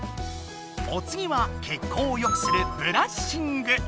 おつぎは血行をよくするブラッシング。